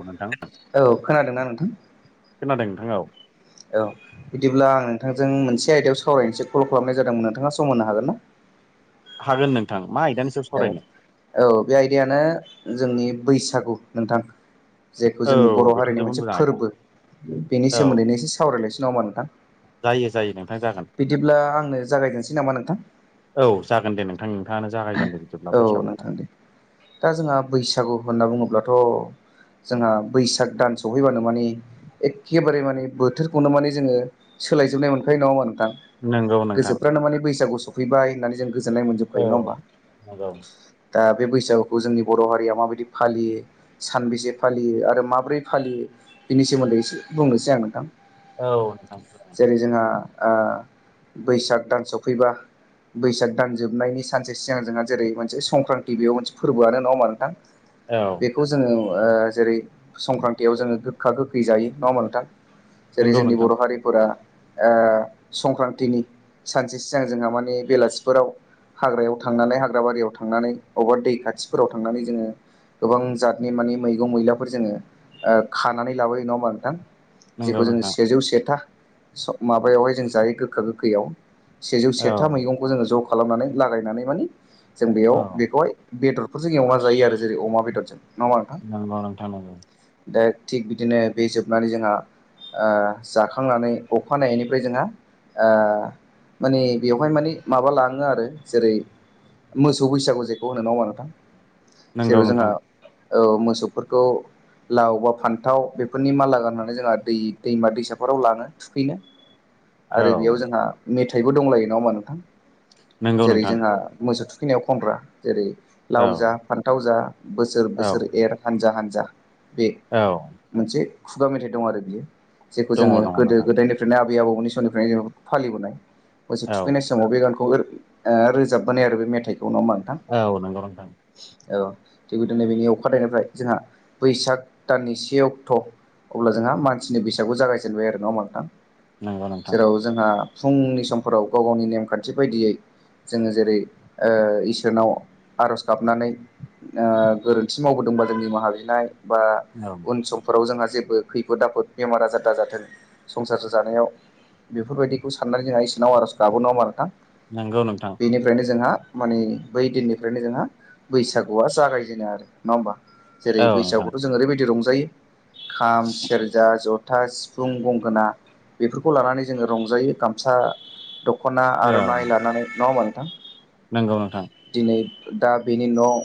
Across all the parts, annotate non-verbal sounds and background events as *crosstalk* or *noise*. औ नोंथां औ खोनादोंना नोंथां? खोनादों नोंथां औ औ बिदिब्ला आं नोंथांजों मोनसे आयदायाव सावरायनोसै कल खालामनाय जादोंमोन, नोंथाङा सम होनो हागोन ना? हागोन नोंथां मा आयदानि सायाव सावरायनो औ बे आयदायानो जोंनि बैसागु नोंथां जेखौ औ जोंनि बर' बेथ' हारिनि जोबोद मोनसे मोजां आयदा फोरबो बेनि औ सोमोन्दैनो एसे सावरायलायसिनो नामा नोंथां? जायो जायो नोंथां जागोन। बिदिब्ला आंनो जागायजेनसै नामा नोंथां? औ जागोन दे नोंथां नोंथाङानो जागायगोन दे औ नोंथां दे दा जोंहा बैसागु होनना बुङोब्लाथ' जोंहा बैसाग दान सफैबानो माने एखेबारे माने बोथोरखौनो माने जोङो सोलायजोबनाय मोनखायो नङा होमब्ला नोंथां? नंगौ नोंथां गोसोफ्रानो माने बैसागु सफैबाय होननानै जों गोजोननाय मोनजोबखायो नङा होमबा? मागौ दा बे बैसागुखौ जोंनि बर' हारिया माबायदि फालियो? सानबेसे फालियो आरो माब्रै फालियो बिनि सोमोन्दै एसे बुंनोसै आं नोंथां। औ *unintelligible* जेरै जोंहा बैसाग दानसफैबा बैसाग दानजोबनायनि सानसे सिगां जोंहा जेरै मोनसे संक्रान्ति बेयाव मोनसे फोरबोआ नंआ होमब्ला नोंथां? औ। बेखौ जोङो जेरै संक्रान्तियाव जोङो गोखा गोखै जायो नङा होमब्ला नोंथां? जेरै नंगौ जोंनि नोंथां बर' हारिफोरा संक्रान्तिनि सानसे सिगां जोंहा माने बेलासिफोराव हाग्रायाव थांनानैाय हाग्र बारियाव थांनानै बबेबा दै खाथिफोराव थांनानै जोङो गोबां जातनि मानिे मैगं मैलाफोर जोङो खानानै लाबोयो नङा होमबा नोंथां? नंगौ जेखौ जोंङ नोंथां सेजौ सेथा माबायावहाय जों जायो गोखा गोखैयाव। सेजौ औ सेथा मैगंखौ जोङो ज' खालामनानै लागायनानै मानि जों बेयाव औ बेखौहाय बेदरफोरजों एवना जायो आरो जेरै अमा बेदरजों नङा होनबा नोंथां नंगौ नोंथां दा थिग बिदिनो बे जोबनानै जोंहा जाखांनानै अखानायैनिफ्राय जोंहा माने बेवहाय माने माबा लाङो आरो जेरै मोसौ बैसागु जेखौ होनो मावा नोंथां नंगौ नंगौ जेराव जोंहा नोंथां औ औ मोसौफोरखौ लाव बा फान्थाव बेफोरनि माला गाननानै जोंहा दै दैमा दैसाफोराव लाङो थुखैनो आरो बेयाव जोंहा मेथाइबो दंलायो ना होमा नोंथां नंगौ जेरै नोंथां जोंहा मोसौ थुखैनायाव खनग्रा जेरै औ लाव जा फान्थाव जा बोसोर औ बोसोर एर हानजा हान्जा बे औ मोनसे खुगा मेथाइ दं आरो बियो जेखौ दङ जोङो दङ गोदो नोंथां गोदायनिफ्राय बेनिनो आबै आबौमोननि समनिफ्रायनो जेन फालिबोनाय बसे औ थुखैनाय समाव बे गानखौ रोजाब माने आरो बे मेथाइखौ नङा होनबा नोंथां औ नंगौ नोंथां औ थिगदिनै बेनि अखाानायनायनिफ्राय जोंहा बैसाग दाननि से अक्ट' अब्ला जोंहा मानसिनि बैसागखौ जागायजेनबाय आरो नङा होनबा नोंथां नंगौ नोंथां जेराव जोंहा फुंनि समफोराव गाव गावनि नेमखान्थि बायदियै जोङो जेरै इसोरनाव आर'ज गाबनानै गोरोन्थि मावबोदोंबा जोंनि निमाहाबिनाय बा औ उन सम फोराव जोंहा जेबो खैफोद आफोद बेमार आजार दाजाथों संसार जानायाव बेफोरबायदिखौ साननानै जोंहा इसनाव आर'ज गाबो नङा होनबा नोंथां नंगौ नोंथां निफ्रायनो जोंहा माने बै दिननिफ्रायनो जोंहा बैसागुआ जागायजेनो आरो नङा होमबा जेरै औ नोंथां बैसागुखौथ' जों ओरैबायदि रंजायो खाम सेर जा जथा सिफुं गंगोना बेफोरखौ लानानै जोङो रंजायो गामसा-दखन *unintelligible* खना औ आर'नाइ लानानै नङा होनबा नों नंगौ नोंथां दिनै दा बेनि न'आव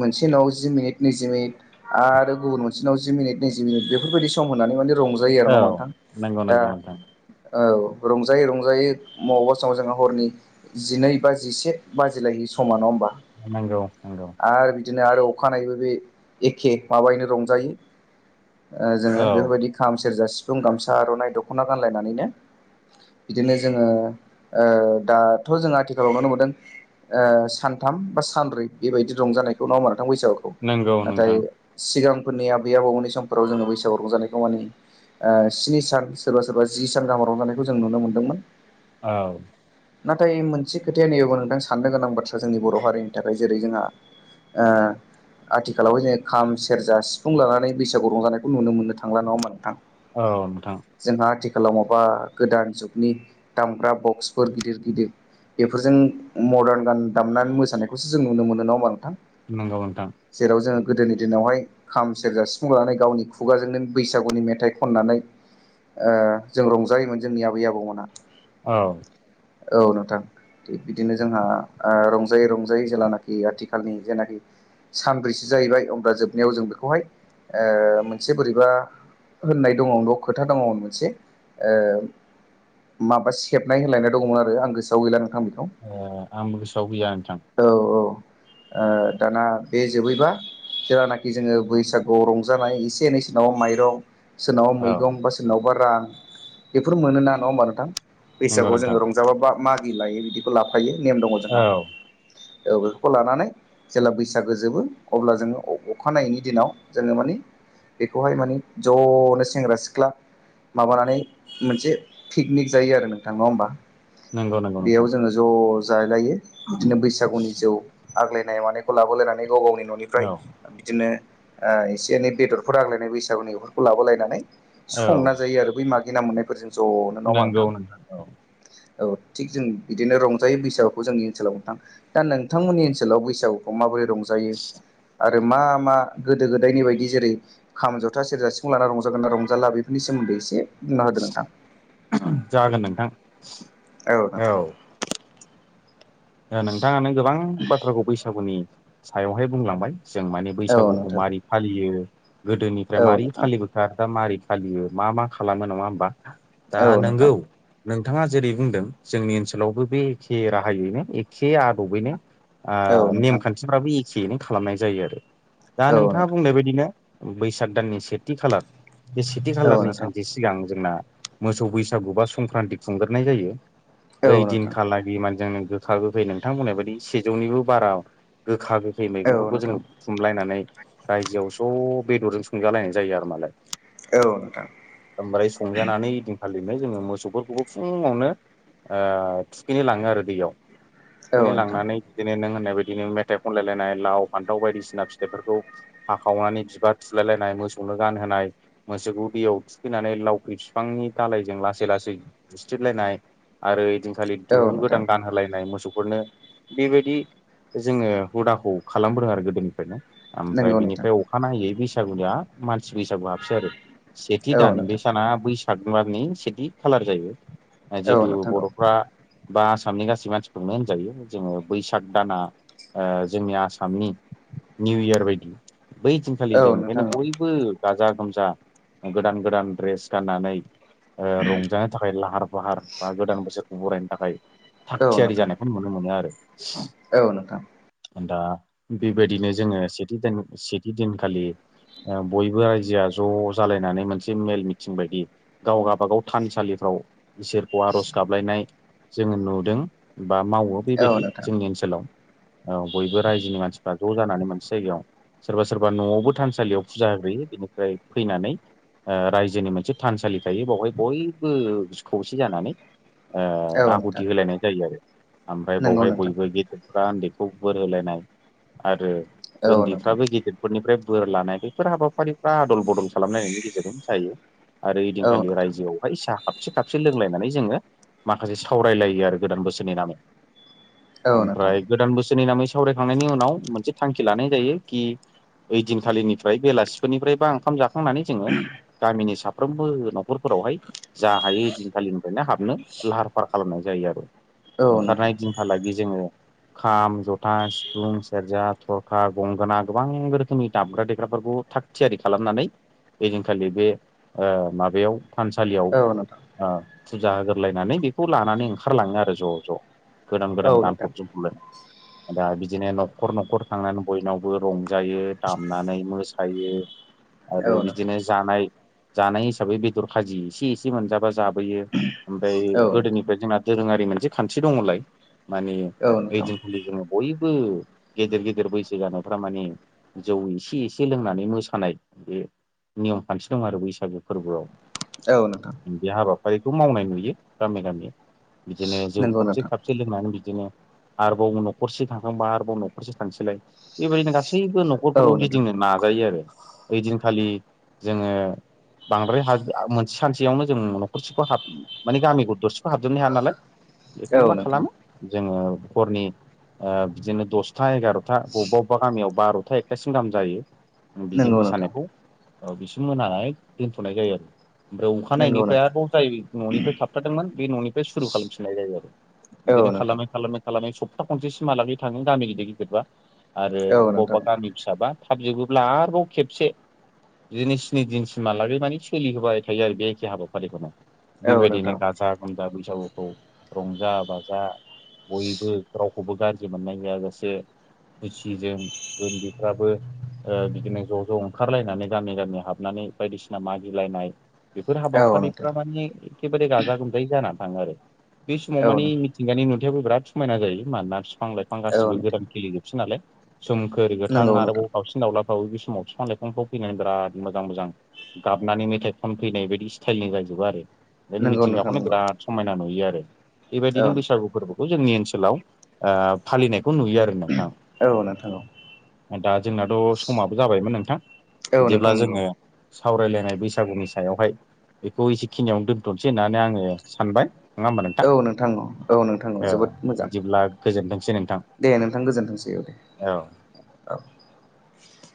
मोनसे न'आव जि मिनिट नैजि मिनिट आरो गुबुन मोनसेनाव जि मिनिट नैजि मिनिट बेफोरबायदि सम होननानै मान रंजायो जायो आरो औ नङा होनबा नंगौ नंगौ नोंथां नोंथां रंजायै रंजायै मबावबा समाव जोंहा हरनि जिनै बा जिसे बाजिलायै समा नङ होमबा नंगौ नंगौ आरो बिदिनो आरो अखानायैबो बे एखे माबैनो रंजायो जोङो औ बेफोरबायदि खाम सेरजा सिफुं गामसा आर'नाइ दख'ना गानलायनानैनो बिदिनो जोङो दाथ' जों आथिखालाव नुनो मोनदों ओ सानथाम बा सानब्रै बेबायदि रंजानायखौ नङा होनबा नोंथां बैसागुखौ नंगौ नाथाय नोंथां सिगांफोरनि आबै आबौनि समफोराव जोङो बैसागु रंजानायखौ मानि स्नि सान सोरबा सोरबा जि सान गाहाम रंजानायखौ जों नुनो मोन्दोंमोन औ। नाथाय मोनसे खोथाया नैबेबो नोंथां साननो गोनां बाथ्रा जोंनि बर' हारिनि थाखाय जेरै जोंहा ओ आथिखालावहाय जोङो खाम सेरजा सिफुं लानानै बैसागु रंजानायखौ नुनो मोननो थांला नङा ओमबा नोंथां? औ नोंथां। जोंहा आथिखालाव माबा गोदान जुगनि दामग्रा बक्सफोर गिदिर गिदिर बेफोरजों मदार्न गान दामनानै मोसानायखौसो जों नुनो मोनो नङा ओमबा नोंथां? नंगौ नोंथां। जेराव जोङो गोदोनि दिनावहाय खाम सेरजा सिफुं लानानै गावनि खुगाजोंनो बैसागुनि मेथाइ खननानै ओ जों रंजायोमोन जोंनि आबै आबौमोनहा। औ। औ नोंथां बिदि नो जोंहा ओ रंजायै रंजायै जेलानाखि आथिखालनि जेनाखि सानब्रैसो जाहैबाय अब्ला जोबनायाव जों बेखौहाय ओ मोनसे बोरैबा होननाय दङ न' खोथा दङ मोनसे ओ माबा सेबनाय होलायनाय दं आरो आं गोसोआव गैला नोंथां बेखौ। ए आंबो गोसोआव गैया नोंथां। औ औ ओ दाना बे जोबैबा जेलानाखि जोङो बैसागुआव रंजानाय एसे एनै सोनाव माइरं सोरनावबा औ मैगं बा सोरनावबा रां बेफोर मोनो ना नङा होमबा नोंथां? नंगौ बैसागुआव नोंथां जोङो रंजाबा बा मागि लायो बिदिखौ लाफायो नेम दङ औ जोंहा। औ बेफोरखौ लानानै जेला बैसागो जोबो अब्ला जोङो अखानायैनि दिनाव जोङो माने बेखौहाय मानि ज'नो सेंग्रा सिख्ला माबानानै मोनसे पिकनिक जायो आरो नोंथां नङा होमबा? नंगौ नंगौ बेयाव नोंथां जोङो ज' जालायो बिदिनो बैसागुनि जौ आग्लायनाय मानायखौ लाबोलायनानै गाव गावनि न'निफ्राय औ बिदिनो ओ एसे एनै बेदरफोर आग्लायनाय बैसागुनि बेफोरखौ लाबोलायनानै औ संना जायो आरो बै माग गिना मोननायफोरजों ज'नो नङा ओमबा नंगौ नोंथां औ औ थिग जों बिदिनो रंजायो बैसागुखौ जोंनि ओनसोलाव नोंथां दा नोंथांमोननि ओनसोलाव बैसागुखौ माबोरै रंजायो? जायो आरो मा मा गोदो गोदायनि बायदि जेरै खाम जथा सेरजा सिफुं लाना रंजागोन ना रंजाला बेफोरनि सोमोन्दै एसे बुंना होदों नोंथां। जागोन नोंथां। औ नोंथां। ओ नोंथाङानो गोबां बाथ्राखौ बैसागुनि सायावहाय बुंलांबाय। जों माने औ बैसागुखौ नोंथां मारै फालियो गोदोनिफ्राय औ मारै नोंथां फालिबो दा मारै फालियो मा मा खालामो नङा होमबा दा औ नोंथां नोंगौ नोंथाङा जेरै बुंदों जोंनि ओनसोलावबो बे एखे राहायैनो एखे आदबैनो ओ औ नोंथां नेमखान्थिफ्राबो एखेयैनो खालामनाय जायो आरो दा औ नोंथाङा नोंथां बुंनाय बायदिनो बैसाग दाननि सेथि खालार बे सेथि औ खालारनि नोंथां सानसे सिगां जोंना मोसौ बैसागु बा संक्रान्ति खुंग्रोनाय जायो ओइ औ नोंथां दिनखालाय बिमाने जों गोखा गोखै नोंथांमोननाय बायदि सेजौनिबो बारा गोखा गोखै औ मैगंफोरखौ जों नोंथां बुथुमलायनानै रायजोआव ज' बेदरजों संजालायनाय जायो आरो मालाय। औ नोंथां ओमफ्राय संजानानै खालिनो जोङो मोसौफोरखौबो फुङावनो ओ थुखैनो लाङो आरो दैयाव। औ थुखैनो नोंथां लांनानै बिदिनो नों होननाय बायदिनो मेथाइ खनलायलायनाय लाव फान्थाव बायदिसिना फिथाइफोरखौ हाखावनानै बिबार थुलायलायनाय मोसौनो गानहोनाय मोसौखौ दैयाव थुखैनानै लावखै बिफांनि दालायजों लासै लासै *unintelligible* स्रिदलायनाय आरो दिनखालि औ दुरुं गोदान नोंथां गान होलाय नाय मोसौफोरनो बेबायदि जोङो हुदाखौ खालामबोदों आरो गोदोनिफ्रायनो। आमफाय नंगौ नोंथां बिनिफ्राय अखानायै बैसागुनिया मानसि बैसागु हाबसै आरो। सेथि औ दान बे नोंथां साना बैसाग बारनि सेथि खालार जायो। ओ औ जितु नोंथां औ बर'फ्रा बा आसामनि गासै मानसि खौनो होनजायो जोङो बैसाग दाना ओ जोंनि आसामनि निउ इयार बायदि बै दिन खालि जों औ ओंखायनो नोंथां बयबो गाजा गोमजा गोदान गोदान ड्रेस गाननानै ओ रंजानो थाखाय लाहार फाहार बा गोदान बोसोरखौ बरायनो थाखाय थाग औ थियारि नोंथां जानायखौ नुनो मोनो आरो। औ दा बेबायदिनो जोङो सेथि दिन सेथि दिनखालि ओं बयबो रायजोआ ज' जालायनानै मोनसे मेल मिटिं बायदि गाव गाबागाव थानसालिफ्राव इसोर खौ आर'ज गाबलायनाय जोङो नुदों बा मावो औ बेबायदि नोंथां जोंनि ओनोल ओनसोलाव औ बयबो रायजोनि मानसिफ्रा ज' जानानै मोनसे जायगायाव सोरबा सोरबा न'आवबो थानसालियाव फुजा होग्रोयो बेनिफ्राय फैनानै ओं रायजोनि मोनसे थानसालि थायो बेवहाय बयबो खौसे जानानै ओं औ नोंथां आहुथि होलायनाय जायो आरो। ओमफ्राय नंगौ बावहाय नोंथां बयबो गेदेरफ्रा उन्दैखौ बोर होलायनाय आरो औ नोंथां ओन्दैफ्राबो गिदिर बेफोरनिफ्राय बोर लानाय बेैफोर हाबाफारिफ्रा आदल बदल खालामलायनायनि गेजेरजों जायो। आरो औ ओदिनखालि नोंथां रायजोआव सा खाबसे खाबसे लोंलायनानै जोङो माखासे सावरायलायो आरो गोदान बोसोर नि औ नोंथां नामाव औ नोंथां औ नोंथां ओमफ्राय औ नोंथां गोदान बोसोरनि नामै सावरायखांनायनि उनाव मोनसे थांखि लानाय जायो कि ओइ दिनखालिनिफ्राय बेलासिफोरनिफ्राय बा ओंखाम जाखांनानै जोङो गामिनि साफ साफ्रोमबो न'खरफोरावहाय जा हायो ओइदिनखालिनिफ्रायनो हाबनो लाहार फाहार खालामनाय जायो आरो। ओंखारनाय दिनहालागि जोङो खाम, जथा, सिफुं सिफुं, सेरजा, थरखा, गंगोना गोबां रोखोमनि दामग्रा देग्राफोरखौ थाग थियारि खालामनानै ओइदिनखालि बे ओं माबायाव थानसालियाव ओं फुजा होग्रोलायनानै बेखौ लानानै ओंखारलाङो आरो ज' ज'। गोदान औ गोदान नोंथां गानफब जोमफबलायनानै। दा बिदिनो न'खर न'खर थांनानै बयनावबो रंजायो, दामनानै मोसायो। आरो बिदिनो जानाय जानाय हिसाबै बेदर खाजि एसे एसे मोनजाबा जाबोयो। ओमफ्राय गोदोनिफ्राय जोंना दोरोङारि मोनसे खान्थि दङलाय माने औ नोंथां औ ओइ नोंथां दिनखालि जोङो बयबो गेदेर गेदेर बैसो जानायफ्रा माने जौ एसे एसे लोंनानै मोसानाय बे नियम खान्थि दं आरो बैसागु फोरबोआव। औ नोंथां। बे हाबाफारिखौ मावनाय नुयो गामि गामि बिदिनो नोंथां जों नंगौ नोंथां एसे लोंनानै बिदिनो आरोबाव न'खरसे थांखांबा आरोबाव न'खरसे थांसैलाय। बेबायदिनो गासैबो औ नोंथां औ न'खरफोरखौ गिदिंनो नाजायो आरो ओइदिनखालि जोङो बांद्राय हा मोनसे सानसेयावनो जों न'खरसेखौ हाब माने गामिखौ दरसेखौ हाबजोबनो हाया नालाय बेखायनो मा नोंथां खालामो जोङो हरनि ओ बिदिनो दसथा एगार'था बबेबा बबेबा गामियाव बार'था एकथासिम गाहाम जायो। बिदि नंगौ नोंथां मोसानायखौ ओं बिसिम मोनानानै दोनथ'नाय जायो आरो ओमफ्राय नंगौ अखानायनायनिफ्राय नोंथां आरबाव जाय न'निफ्राय थाबथादोंमोन बे न'निफ्राय सुरु खालामफिननाय जायो आरो बिदिनो औ नोंथां खालामै खालामै खालामै सप्ता खनसे सिमहालागै थाङो गामि गिदिर गिदिरबा आरो औ अब्बा अब्बा नोंथां गामि फिसाबा थाब जोबोब्ला आरोबाव खेबसे बिदिनो स्नि दिनसिमहालागै माने सोलिहोबाय थायो आरो बे एखे हाबाफारिखौनो। औ नोंथां औ बिबायदि ने नोंथां गाजा गोमजा बैसागुखौ रंजा बाजा बयबो रावखौबो गाज्रि मोननाय जायाजासे खुसिजों उनदैफ्राबो बिदिनो ज' ज' ओंखारलायनानै गामि गामि हाबनानै बायदिसिना मागिलायनाय बेफोर हाबाफारिफ्रा माने एखेबारे गाजा गोमजायै जानानै थाङो आरो। बे समाव औ मानिे नोंथां मिथिंगानि नुथायाबो बिराद समायना जायो माोना बिफां लाइ बिफां औ गासिबो नोंथां गोदान खेललिजोबसै नालाय सोमखोर गोथां नंगौ नोंथां आरोबाव गावसि सििन दावलाफ्राव बे समाव बिफां लाइफांफ्राव फैनानै बिराद मोजां मोजां गाबनानै मेथाइ खनफैनाय बदि स्टाइलनि जाजजोबो आरो। ओंखायनो नंगौ नोंथां मिथिंगाखौनो नंगौ बिराद समायना नुयो आरो औ बेबायदिनो बैसागु फोरबो जोंनि ओनसोलाव फालिनायखौ नुयो आरो नोंथां औ नोंथां औ दा जोंनाथ' समाबो जाबायमोन नोंथां औ बिदिब्ला नोंथां नंगौ जोङो सावरायलायनाय बैसागुनि सायावहाय बेखौ एसेखिनियावनो दोनथ'नोसै होननानै आङो सानबाय नङा होमबा औ नोंथां औ नोंथाङ औ जोबोद मोजां बिदिब्ला गोजोनथोंसै नोंथां दे नोंथां गोजोनथोंसै औ दे औ औ